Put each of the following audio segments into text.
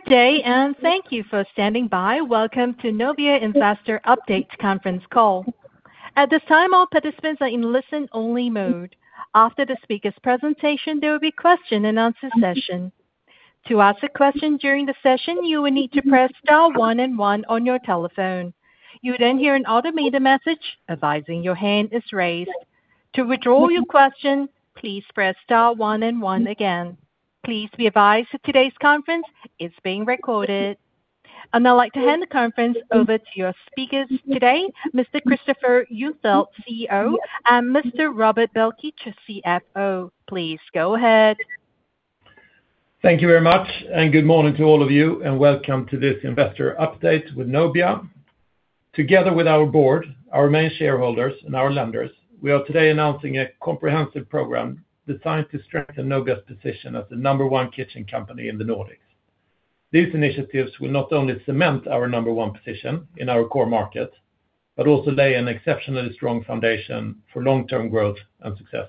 Good day and thank you for standing by. Welcome to Nobia investor update conference call. At this time, all participants are in listen-only mode. After the speaker's presentation, there will be a question-and-answer session. To ask a question during the session, you will need to press star one and one on your telephone. You will then hear an automated message advising your hand is raised. To withdraw your question, please press star one and one again. Please be advised that today's conference is being recorded, and I'd like to hand the conference over to your speakers today, Mr. Kristoffer Ljungfelt, CEO, and Mr. Robert Belkic, CFO. Please go ahead. Thank you very much, and good morning to all of you, and welcome to this investor update with Nobia. Together with our board, our main shareholders, and our lenders, we are today announcing a comprehensive program designed to strengthen Nobia's position as the number one kitchen company in the Nordics. These initiatives will not only cement our number one position in our core market but also lay an exceptionally strong foundation for long-term growth and success.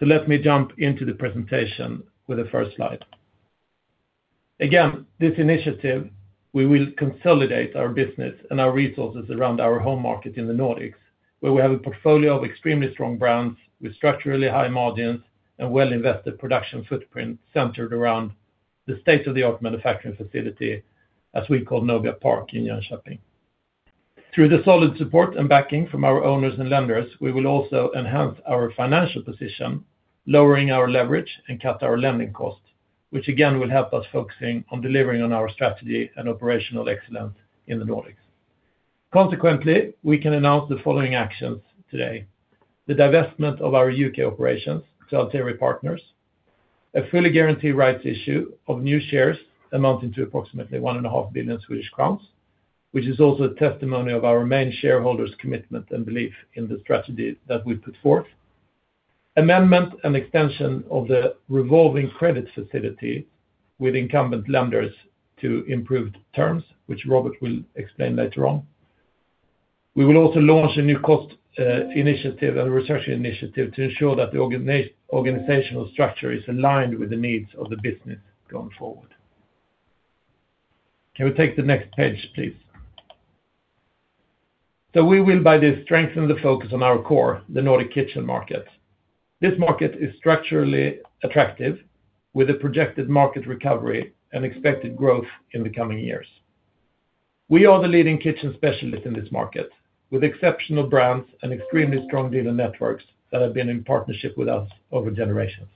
So let me jump into the presentation with the first slide. Again, this initiative, we will consolidate our business and our resources around our home market in the Nordics, where we have a portfolio of extremely strong brands with structurally high margins and well-invested production footprints centered around the state-of-the-art manufacturing facility, as we call Nobia Park in Jönköping. Through the solid support and backing from our owners and lenders, we will also enhance our financial position, lowering our leverage and cut our lending costs, which again will help us focusing on delivering on our strategy and operational excellence in the Nordics. Consequently, we can announce the following actions today: the divestment of our U.K. operations to Alteri Partners, a fully guaranteed rights issue of new shares amounting to approximately 1.5 billion Swedish crowns, which is also a testimony of our main shareholders' commitment and belief in the strategy that we put forth, amendment and extension of the revolving credit facility with incumbent lenders to improved terms, which Robert will explain later on. We will also launch a new cost initiative and research initiative to ensure that the organizational structure is aligned with the needs of the business going forward. Can we take the next page, please? So we will, by this, strengthen the focus on our core, the Nordic kitchen market. This market is structurally attractive, with a projected market recovery and expected growth in the coming years. We are the leading kitchen specialist in this market, with exceptional brands and extremely strong dealer networks that have been in partnership with us over generations.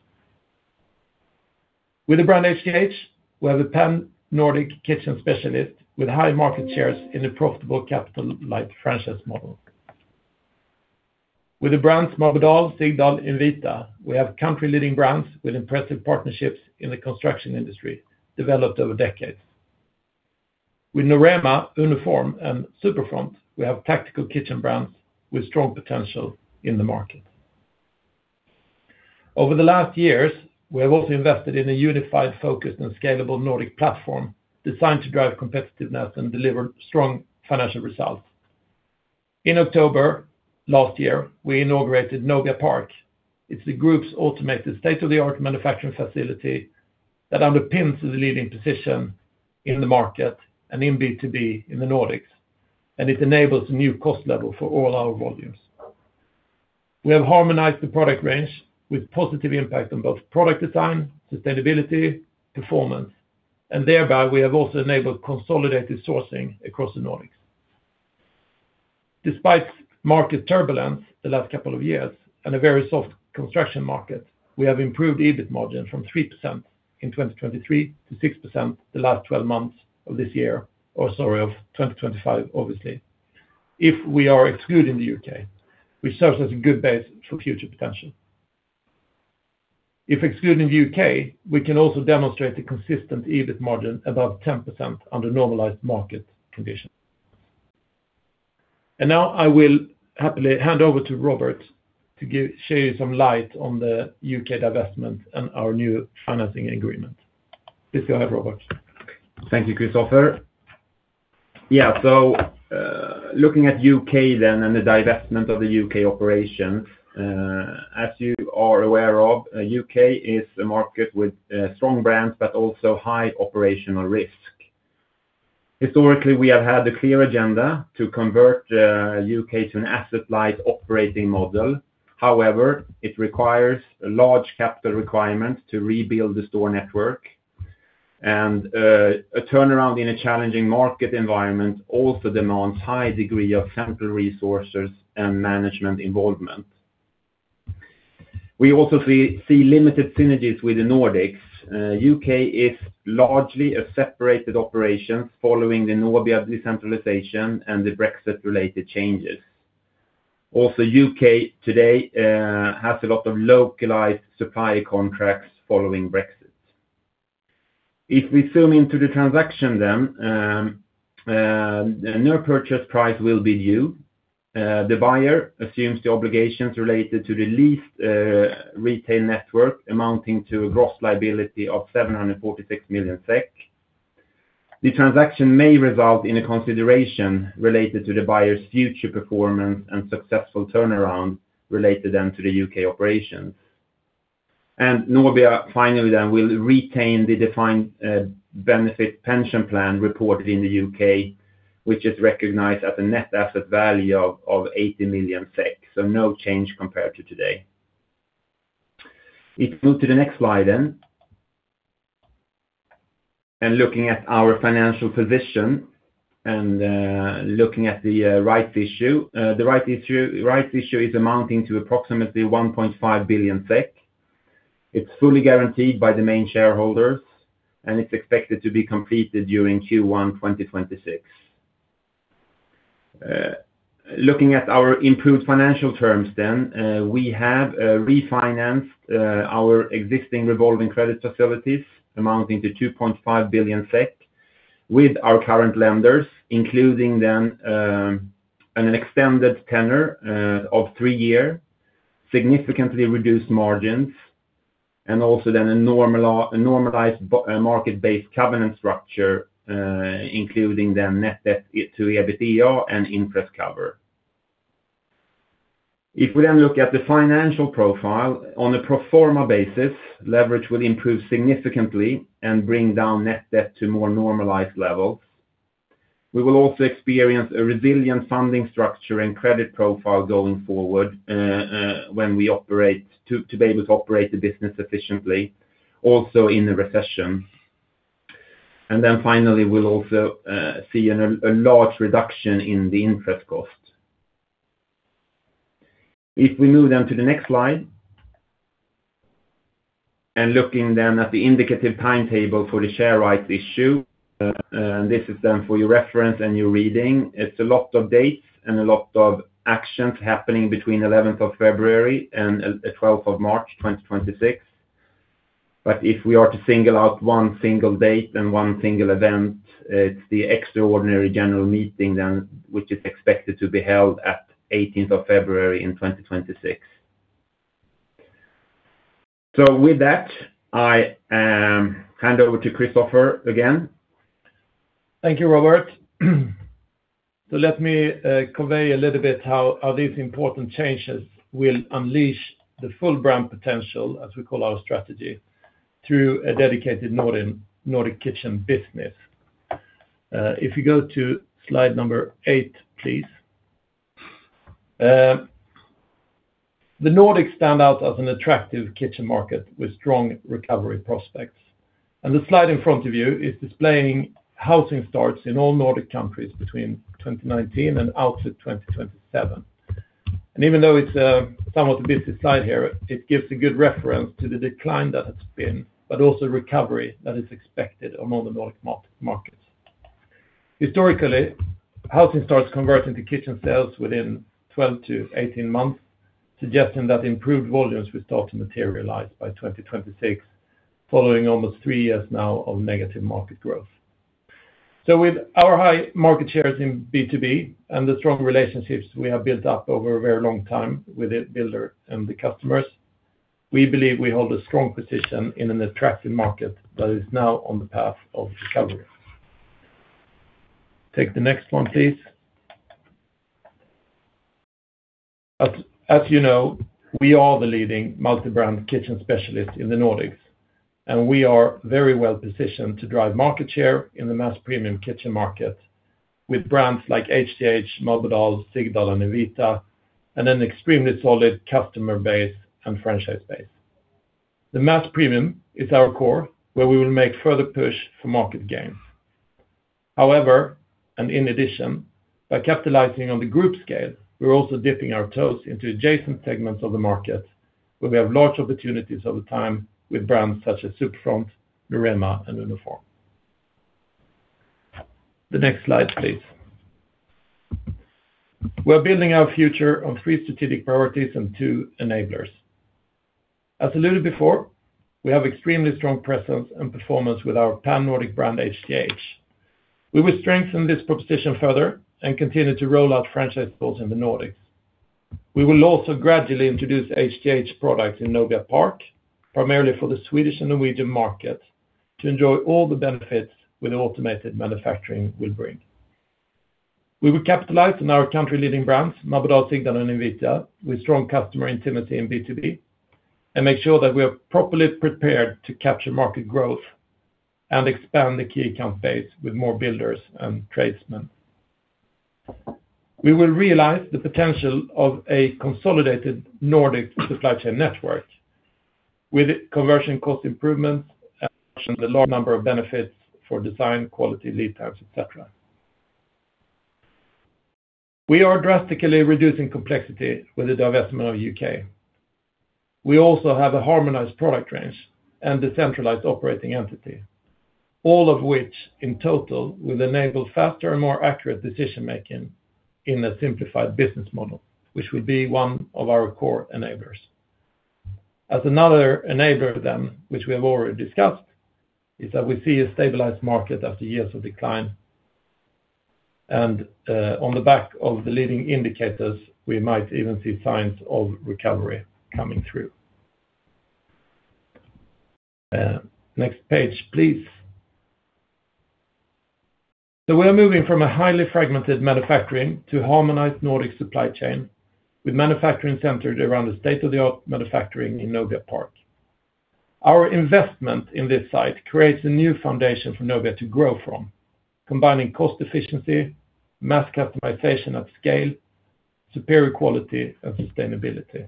With the brand HTH, we have a pan-Nordic kitchen specialist with high market shares in a profitable capital-light franchise model. With the brands Marbodal, Sigdal, and Invita, we have country-leading brands with impressive partnerships in the construction industry developed over decades. With Norema, uno form, and Superfront, we have tactical kitchen brands with strong potential in the market. Over the last years, we have also invested in a unified, focused, and scalable Nordic platform designed to drive competitiveness and deliver strong financial results. In October last year, we inaugurated Nobia Park. It's the group's automated state-of-the-art manufacturing facility that underpins the leading position in the market and in B2B in the Nordics, and it enables a new cost level for all our volumes. We have harmonized the product range with positive impact on both product design, sustainability, and performance, and thereby we have also enabled consolidated sourcing across the Nordics. Despite market turbulence the last couple of years and a very soft construction market, we have improved EBIT margin from 3% in 2023 to 6% the last 12 months of this year, or sorry, of 2025, obviously, if we are excluding the U.K., which serves as a good base for future potential. If excluding the U.K., we can also demonstrate a consistent EBIT margin above 10% under normalized market conditions. Now I will happily hand over to Robert to show you some light on the U.K. divestment and our new financing agreement. Please go ahead, Robert. Thank you, Kristoffer. Yeah, so looking at U.K. then and the divestment of the U.K. operations, as you are aware of, U.K. is a market with strong brands but also high operational risk. Historically, we have had a clear agenda to convert U.K. to an asset-light operating model. However, it requires a large capital requirement to rebuild the store network, and a turnaround in a challenging market environment also demands a high degree of central resources and management involvement. We also see limited synergies with the Nordics. U.K. is largely a separated operation following the Nobia decentralization and the Brexit-related changes. Also, U.K. today has a lot of localized supply contracts following Brexit. If we zoom into the transaction then, the new purchase price will be due. The buyer assumes the obligations related to the leased retail network amounting to a gross liability of 746 million SEK. The transaction may result in a consideration related to the buyer's future performance and successful turnaround related then to the U.K. operations. And Nobia finally then will retain the defined benefit pension plan reported in the U.K., which is recognized as a net asset value of 80 million SEK, so no change compared to today. If we move to the next slide then, and looking at our financial position and looking at the rights issue, the rights issue is amounting to approximately 1.5 billion SEK. It's fully guaranteed by the main shareholders, and it's expected to be completed during Q1 2026. Looking at our improved financial terms then, we have refinanced our existing revolving credit facilities amounting to 2.5 billion SEK with our current lenders, including then an extended tenor of three years, significantly reduced margins, and also then a normalized market-based covenant structure, including then net debt to EBITDA and interest cover. If we then look at the financial profile, on a pro forma basis, leverage will improve significantly and bring down net debt to more normalized levels. We will also experience a resilient funding structure and credit profile going forward when we operate the business efficiently, also in the recession, and then finally, we'll also see a large reduction in the interest cost. If we move then to the next slide and looking then at the indicative timetable for the share rights issue, and this is then for your reference and your reading, it's a lot of dates and a lot of actions happening between 11th of February and 12th of March 2026. But if we are to single out one single date and one single event, it's the extraordinary general meeting then, which is expected to be held at 18th of February in 2026. So with that, I hand over to Kristoffer again. Thank you, Robert. So let me convey a little bit how these important changes will unleash the full brand potential, as we call our strategy, through a dedicated Nordics kitchen business. If you go to slide number eight, please. The Nordics stand out as an attractive kitchen market with strong recovery prospects. And the slide in front of you is displaying housing starts in all Nordic countries between 2019 and out to 2027. And even though it's somewhat a busy slide here, it gives a good reference to the decline that has been, but also recovery that is expected among the Nordics markets. Historically, housing starts convert into kitchen sales within 12-18 months, suggesting that improved volumes will start to materialize by 2026, following almost three years now of negative market growth. So with our high market shares in B2B and the strong relationships we have built up over a very long time with the builder and the customers, we believe we hold a strong position in an attractive market that is now on the path of recovery. Take the next one, please. As you know, we are the leading multi-brand kitchen specialist in the Nordics, and we are very well positioned to drive market share in the mass premium kitchen market with brands like HTH, Marbodal, Sigdal, and Invita, and an extremely solid customer base and franchise base. The mass premium is our core, where we will make further push for market gains. However, and in addition, by capitalizing on the group scale, we're also dipping our toes into adjacent segments of the market where we have large opportunities over time with brands such as Superfront, Norema, and uno form. The next slide, please. We're building our future on three strategic priorities and two enablers. As alluded before, we have extremely strong presence and performance with our pan-Nordic brand HTH. We will strengthen this proposition further and continue to roll out franchise stores in the Nordics. We will also gradually introduce HTH products in Nobia Park, primarily for the Swedish and Norwegian market, to enjoy all the benefits with automated manufacturing will bring. We will capitalize on our country-leading brands, Marbodal, Sigdal, and Invita, with strong customer intimacy in B2B, and make sure that we are properly prepared to capture market growth and expand the key account base with more builders and tradesmen. We will realize the potential of a consolidated Nordic supply chain network with conversion cost improvements and the large number of benefits for design, quality, lead times, etc. We are drastically reducing complexity with the divestment of U.K. We also have a harmonized product range and decentralized operating entity, all of which in total will enable faster and more accurate decision-making in a simplified business model, which will be one of our core enablers. As another enabler then, which we have already discussed, is that we see a stabilized market after years of decline, and on the back of the leading indicators, we might even see signs of recovery coming through. Next page, please. So we are moving from a highly fragmented manufacturing to a harmonized Nordic supply chain with manufacturing centered around the state-of-the-art manufacturing in Nobia Park. Our investment in this site creates a new foundation for Nobia to grow from, combining cost efficiency, mass customization at scale, superior quality, and sustainability.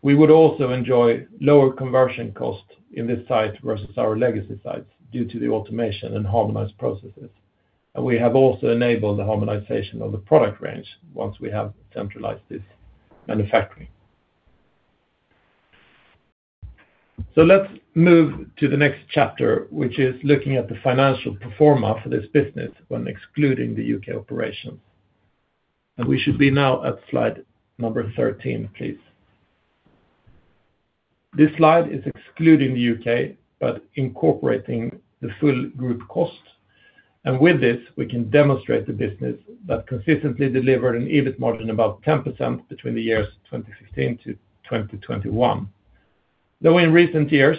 We would also enjoy lower conversion costs in this site versus our legacy sites due to the automation and harmonized processes. And we have also enabled the harmonization of the product range once we have centralized this manufacturing. So let's move to the next chapter, which is looking at the financial pro forma for this business when excluding the U.K. operations. And we should be now at slide number 13, please. This slide is excluding the U.K. but incorporating the full group cost. And with this, we can demonstrate the business that consistently delivered an EBIT margin of about 10% between the years 2015 to 2021. Though in recent years,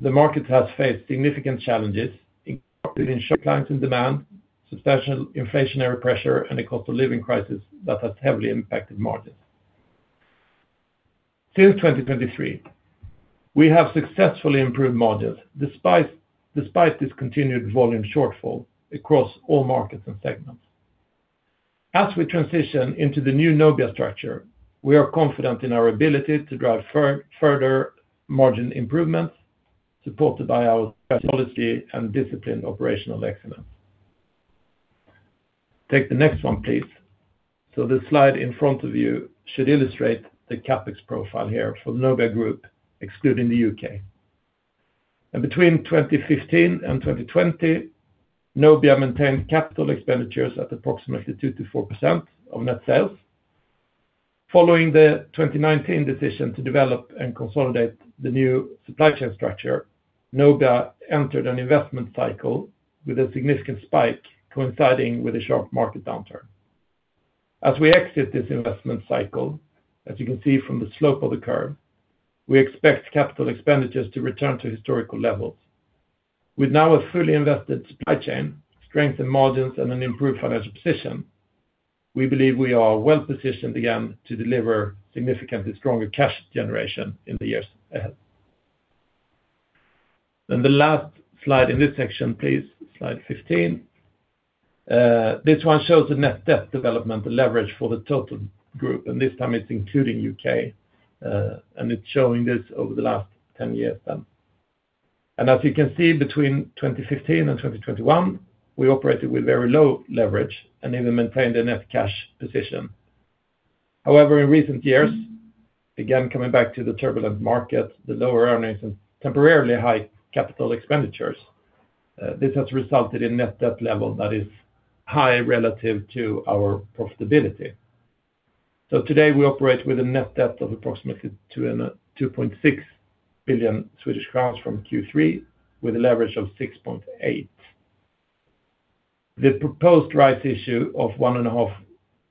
the market has faced significant challenges, including sharp climbs in demand, substantial inflationary pressure, and a cost of living crisis that has heavily impacted margins. Since 2023, we have successfully improved margins despite this continued volume shortfall across all markets and segments. As we transition into the new Nobia structure, we are confident in our ability to drive further margin improvements supported by our policy and disciplined operational excellence. Take the next one, please. So the slide in front of you should illustrate the CapEx profile here for the Nobia Group, excluding the U.K. And between 2015 and 2020, Nobia maintained capital expenditures at approximately 2%-4% of net sales. Following the 2019 decision to develop and consolidate the new supply chain structure, Nobia entered an investment cycle with a significant spike coinciding with a sharp market downturn. As we exit this investment cycle, as you can see from the slope of the curve, we expect capital expenditures to return to historical levels. With now a fully invested supply chain, strengthened margins, and an improved financial position, we believe we are well positioned again to deliver significantly stronger cash generation in the years ahead, and the last slide in this section, please, slide 15. This one shows the net debt development leverage for the total group, and this time it's including U.K., and it's showing this over the last 10 years then. And as you can see, between 2015 and 2021, we operated with very low leverage and even maintained a net cash position. However, in recent years, again coming back to the turbulent market, the lower earnings and temporarily high capital expenditures, this has resulted in net debt level that is high relative to our profitability, so today we operate with a net debt of approximately 2.6 billion Swedish crowns from Q3 with a leverage of 6.8. The proposed rights issue of 1.5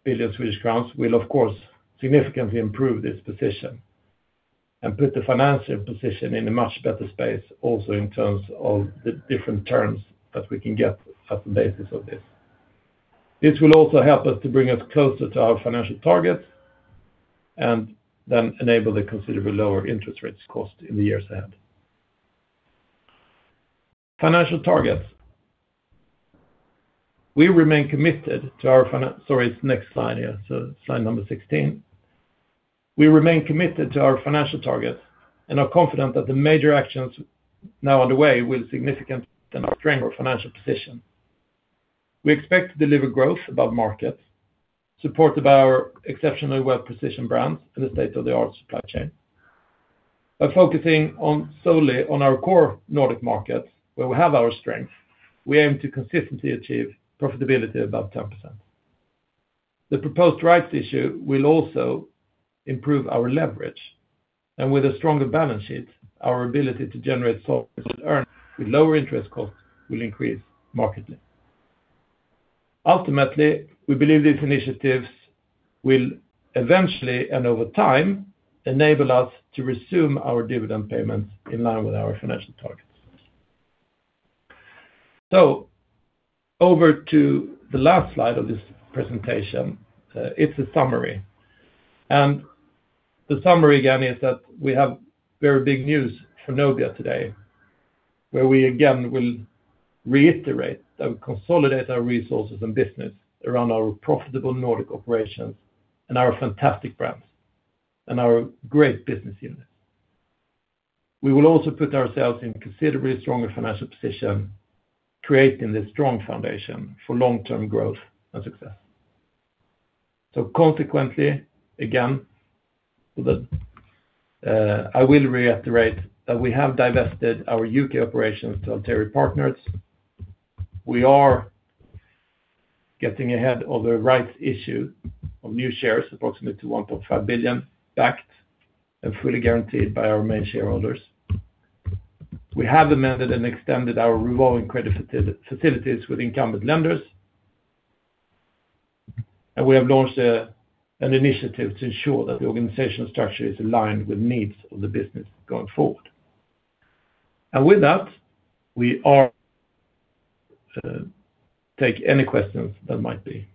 billion Swedish crowns will, of course, significantly improve this position and put the financial position in a much better space also in terms of the different terms that we can get at the basis of this. This will also help us to bring us closer to our financial targets and then enable the considerably lower interest rates cost in the years ahead. Financial targets. We remain committed to our financial, sorry, it's next slide here, so slide number 16. We remain committed to our financial targets and are confident that the major actions now underway will significantly strengthen our financial position. We expect to deliver growth above markets, supported by our exceptionally well-positioned brands and the state-of-the-art supply chain. By focusing solely on our core Nordic markets, where we have our strength, we aim to consistently achieve profitability above 10%. The proposed rights issue will also improve our leverage, and with a stronger balance sheet, our ability to generate solid returns with lower interest costs will increase markedly. Ultimately, we believe these initiatives will eventually, and over time, enable us to resume our dividend payments in line with our financial targets. So over to the last slide of this presentation, it's a summary, and the summary again is that we have very big news from Nobia today, where we again will reiterate that we consolidate our resources and business around our profitable Nordic operations and our fantastic brands and our great business units. We will also put ourselves in a considerably stronger financial position, creating this strong foundation for long-term growth and success, so consequently, again, I will reiterate that we have divested our U.K. operations to Alteri Partners. We are getting ahead of the rights issue of new shares, approximately 1.5 billion, backed and fully guaranteed by our main shareholders. We have amended and extended our revolving credit facilities with incumbent lenders, and we have launched an initiative to ensure that the organizational structure is aligned with needs of the business going forward, and with that, we are taking any questions that might be.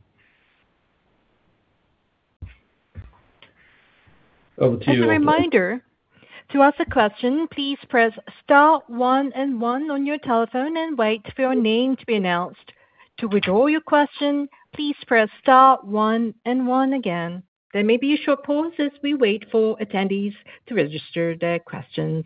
Over to you. A reminder. To ask a question, please press star one and one on your telephone and wait for your name to be announced. To withdraw your question, please press star one and one again. There may be a short pause as we wait for attendees to register their questions.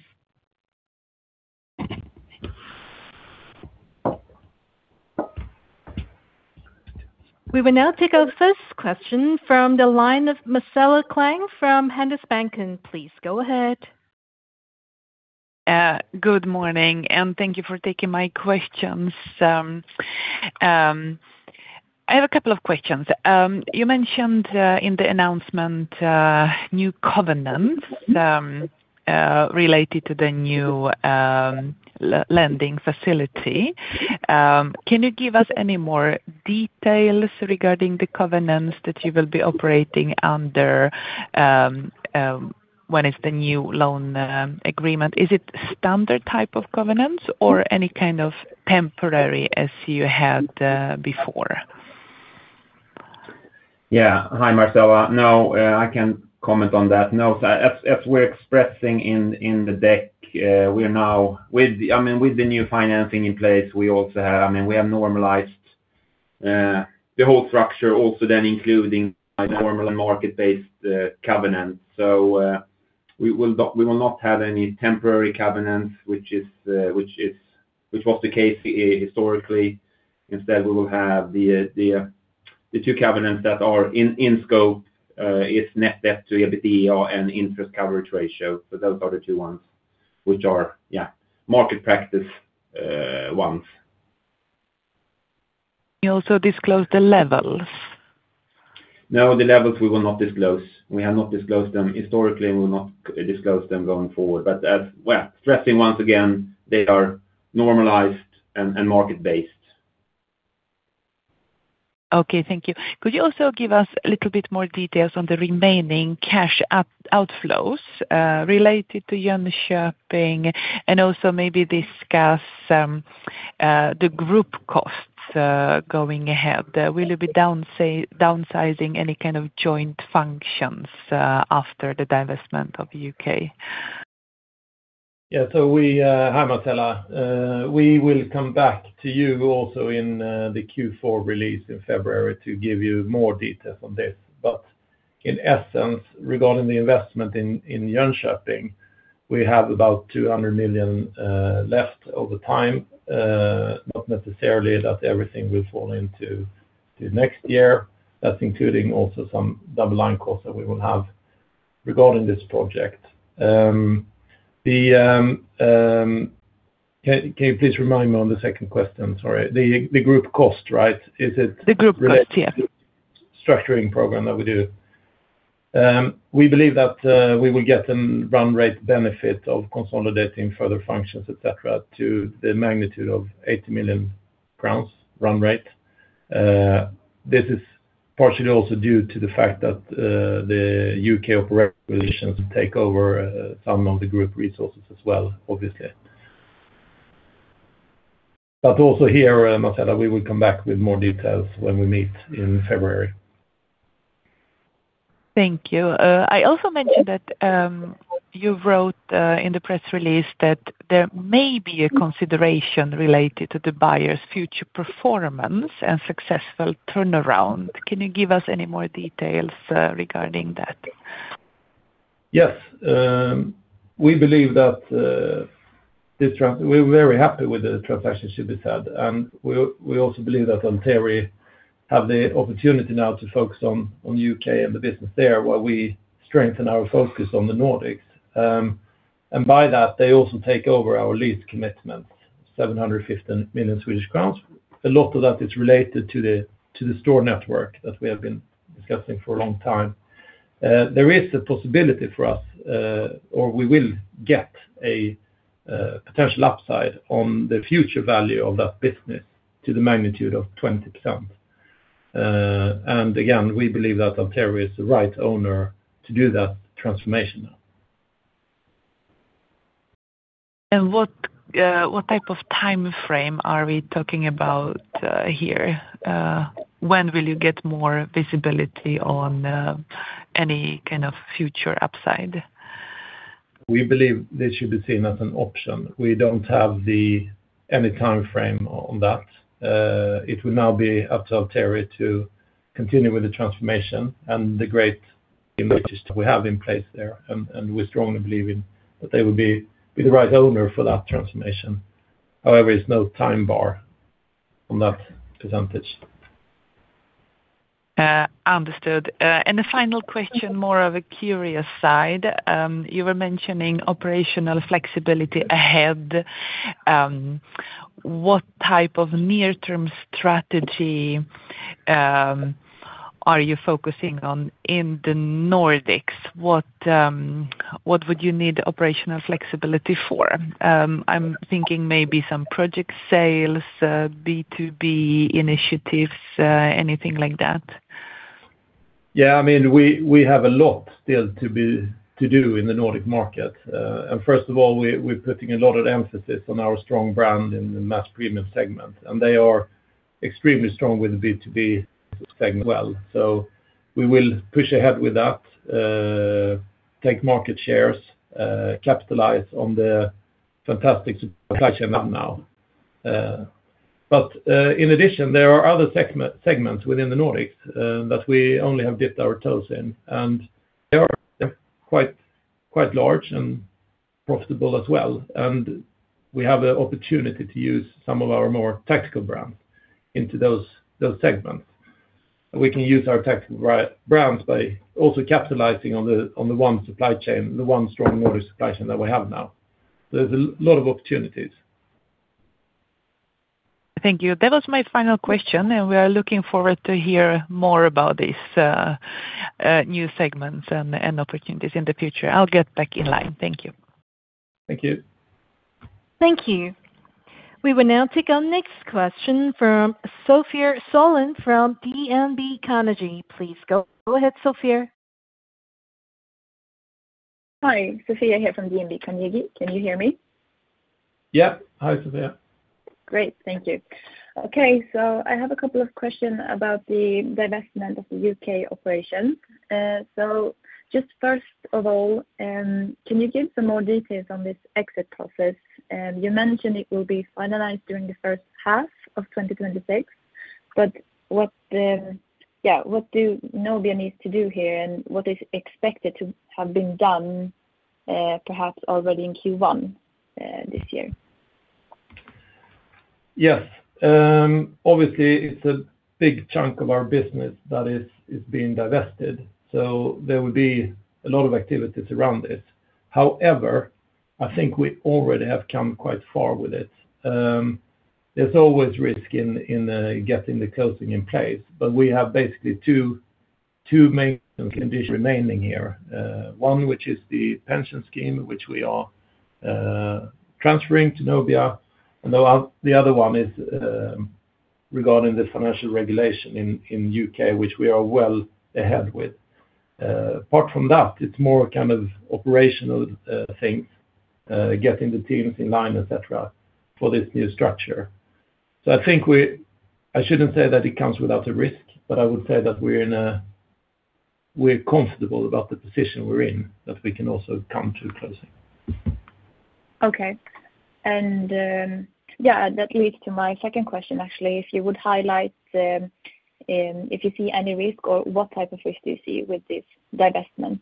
We will now take our first question from the line of Marcela Klang from Handelsbanken. And please go ahead. Good morning, and thank you for taking my questions. I have a couple of questions. You mentioned in the announcement new covenants related to the new lending facility. Can you give us any more details regarding the covenants that you will be operating under when it's the new loan agreement? Is it standard type of covenants or any kind of temporary as you had before? Yeah. Hi, Marcela. No, I can comment on that. No, as we're expressing in the deck, we're now, I mean, with the new financing in place, we also have, I mean, we have normalized the whole structure also then including normal and market-based covenants. So we will not have any temporary covenants, which was the case historically. Instead, we will have the two covenants that are in scope. It's net debt to EBITDA and interest coverage ratio. So those are the two ones which are, yeah, market practice ones. You also disclosed the levels. No, the levels we will not disclose. We have not disclosed them historically and will not disclose them going forward but stressing once again, they are normalized and market-based. Okay, thank you. Could you also give us a little bit more details on the remaining cash outflows related to Jönköping and also maybe discuss the group costs going ahead? Will you be downsizing any kind of joint functions after the divestment of U.K.? Yeah. So hi, Marcela. We will come back to you also in the Q4 release in February to give you more details on this. But in essence, regarding the investment in Jönköping, we have about 200 million left over time. Not necessarily that everything will fall into next year. That's including also some double line costs that we will have regarding this project. Can you please remind me on the second question? Sorry. The group cost, right? The group cost, yes. Structuring program that we do. We believe that we will get a run rate benefit of consolidating further functions, etc., to the magnitude of 80 million crowns run rate. This is partially also due to the fact that the U.K. operations take over some of the group resources as well, obviously. But also here, Marcela, we will come back with more details when we meet in February. Thank you. I also mentioned that you wrote in the press release that there may be a consideration related to the buyer's future performance and successful turnaround. Can you give us any more details regarding that? Yes. We believe that we're very happy with the transaction, should be said. We also believe that Alteri has the opportunity now to focus on U.K. and the business there while we strengthen our focus on the Nordics. By that, they also take over our lease commitment, 750 million Swedish crowns. A lot of that is related to the store network that we have been discussing for a long time. There is a possibility for us, or we will get a potential upside on the future value of that business to the magnitude of 20%. Again, we believe that Alteri is the right owner to do that transformation now. What type of time frame are we talking about here? When will you get more visibility on any kind of future upside? We believe this should be seen as an option. We don't have any time frame on that. It will now be up to Alteri to continue with the transformation and the great initiatives we have in place there. And we strongly believe that they will be the right owner for that transformation. However, it's no time bar on that percentage. Understood, and the final question, more of a curious side. You were mentioning operational flexibility ahead. What type of near-term strategy are you focusing on in the Nordics? What would you need operational flexibility for? I'm thinking maybe some project sales, B2B initiatives, anything like that. Yeah. I mean, we have a lot still to do in the Nordic market. And first of all, we're putting a lot of emphasis on our strong brand in the mass premium segment. And they are extremely strong with the B2B segment as well. So we will push ahead with that, take market shares, capitalize on the fantastic supply chain now. But in addition, there are other segments within the Nordics that we only have dipped our toes in. And they are quite large and profitable as well. And we have the opportunity to use some of our more tactical brands into those segments. We can use our tactical brands by also capitalizing on the one supply chain, the one strong Nordic supply chain that we have now. There's a lot of opportunities. Thank you. That was my final question. And we are looking forward to hear more about these new segments and opportunities in the future. I'll get back in line. Thank you. Thank you. Thank you. We will now take our next question from Sofia Sörling from DNB Carnegie. Please go ahead, Sofia. Hi, Sofia here from DNB Carnegie. Can you hear me? Yep. Hi, Sofia. Great. Thank you. Okay. So I have a couple of questions about the divestment of the U.K. operations. So just first of all, can you give some more details on this exit process? You mentioned it will be finalized during the first half of 2026. But yeah, what does Nobia need to do here and what is expected to have been done perhaps already in Q1 this year? Yes. Obviously, it's a big chunk of our business that is being divested. So there will be a lot of activities around this. However, I think we already have come quite far with it. There's always risk in getting the closing in place. But we have basically two main conditions remaining here. One, which is the pension scheme, which we are transferring to Nobia. And the other one is regarding the financial regulation in U.K., which we are well ahead with. Apart from that, it's more kind of operational things, getting the teams in line, etc., for this new structure. So I think I shouldn't say that it comes without a risk, but I would say that we're comfortable about the position we're in, that we can also come to closing. Okay. And yeah, that leads to my second question, actually. If you would highlight if you see any risk or what type of risk do you see with this divestment?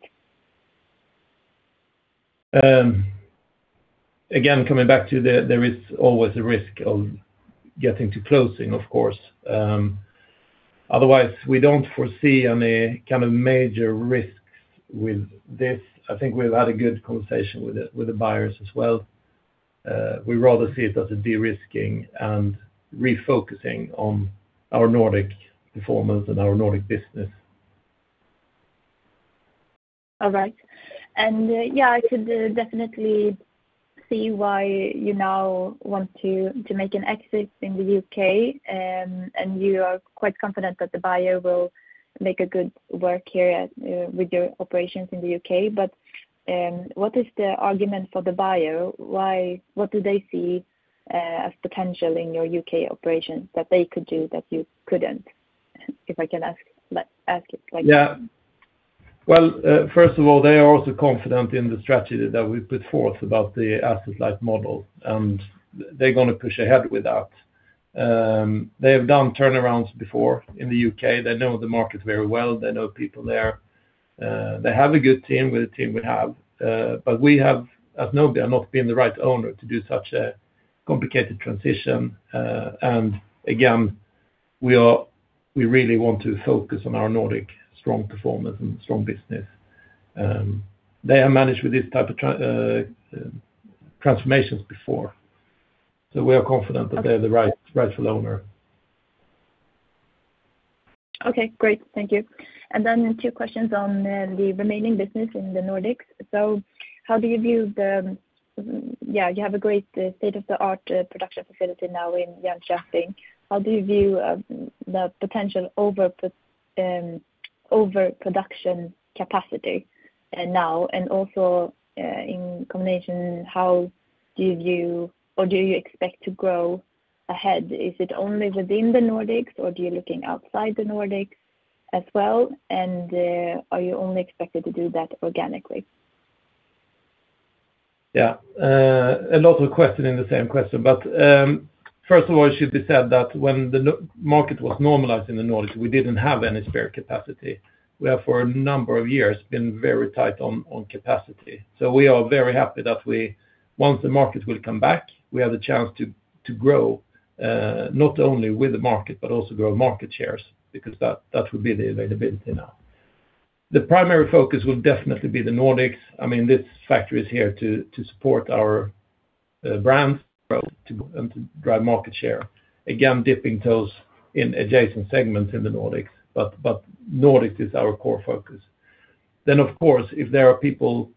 Again, coming back to, there is always a risk of getting to closing, of course. Otherwise, we don't foresee any kind of major risks with this. I think we've had a good conversation with the buyers as well. We rather see it as a derisking and refocusing on our Nordic performance and our Nordic business. All right, and yeah, I could definitely see why you now want to make an exit in the U.K., and you are quite confident that the buyer will make good work here with your operations in the U.K., but what is the argument for the buyer? What do they see as potential in your U.K. operations that they could do that you couldn't, if I can ask it like that? Yeah. Well, first of all, they are also confident in the strategy that we put forth about the asset-light model. And they're going to push ahead with that. They have done turnarounds before in the U.K. They know the market very well. They know people there. They have a good team with the team we have. But we have, as Nobia, not been the right owner to do such a complicated transition. And again, we really want to focus on our Nordic strong performance and strong business. They have managed with this type of transformations before. So we are confident that they are the rightful owner. Okay. Great. Thank you and then two questions on the remaining business in the Nordics, so how do you view the yeah, you have a great state-of-the-art production facility now in Jönköping. How do you view the potential overproduction capacity now, and also in combination, how do you view or do you expect to grow ahead? Is it only within the Nordics, or do you look outside the Nordics as well, and are you only expected to do that organically? Yeah. A lot of questions in the same question. But first of all, it should be said that when the market was normalized in the Nordics, we didn't have any spare capacity. We have, for a number of years, been very tight on capacity. So we are very happy that once the market will come back, we have a chance to grow not only with the market, but also grow market shares because that will be the availability now. The primary focus will definitely be the Nordics. I mean, this factory is here to support our brands, to grow and to drive market share. Again, dipping toes in adjacent segments in the Nordics. But Nordics is our core focus. Then, of course, if there are people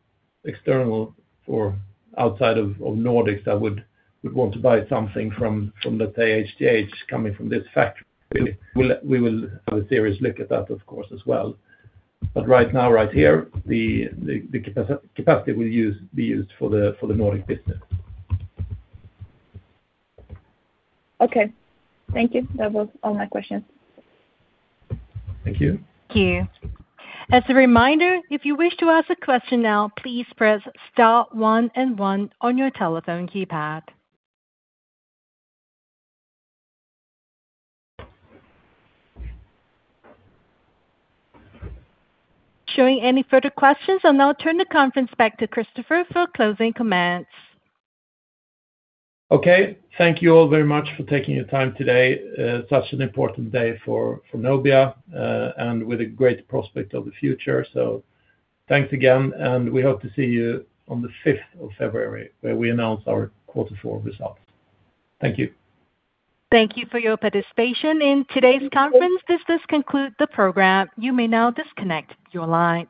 external or outside of Nordics that would want to buy something from, let's say, HTH coming from this factory, we will have a serious look at that, of course, as well. But right now, right here, the capacity will be used for the Nordic business. Okay. Thank you. That was all my questions. Thank you. Thank you. As a reminder, if you wish to ask a question now, please press star one and one on your telephone keypad. Should any further questions, I'll now turn the conference back to Kristoffer for closing comments. Okay. Thank you all very much for taking your time today. Such an important day for Nobia and with a great prospect of the future. So thanks again. And we hope to see you on the 5th of February where we announce our quarter four results. Thank you. Thank you for your participation in today's conference. This does conclude the program. You may now disconnect your lines.